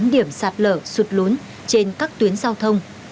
sáu mươi chín điểm sạt lở sụt lún trên các tuyến giao thông